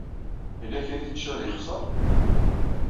Yella kra ay tecciḍ yexṣer?